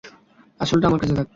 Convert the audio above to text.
আসলটা আমার কাছে থাক!